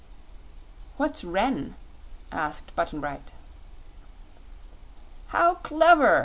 "What's 'ren'?" asked Button Bright. "How clever!"